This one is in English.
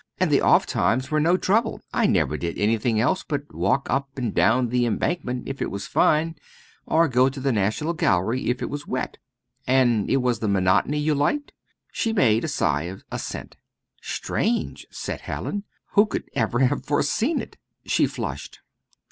And the 'off' times were no trouble I never did anything else but walk up and down the Embankment if it was fine, or go to the National Gallery if it was wet." "And it was the monotony you liked?" She made a sign of assent. "Strange!" said Hallin, "who could ever have foreseen it?" She flushed.